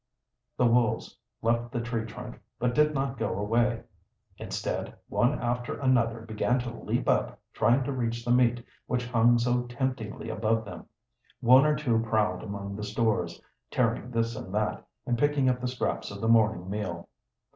The wolves left the tree trunk, but did not go away. Instead one after another began to leap up, trying to reach the meat which hung so temptingly above them. One or two prowled among the stores, tearing this and that, and picking up the scraps of the morning meal.